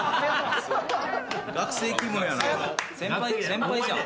・先輩じゃん。